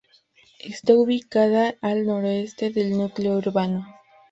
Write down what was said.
Está ubicada al noroeste del núcleo urbano.